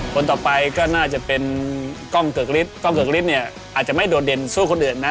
คนต่อไปก็น่าจะเป็นกล้องเกิกฤทธิกล้องเกิกฤทธิเนี่ยอาจจะไม่โดดเด่นสู้คนอื่นนะ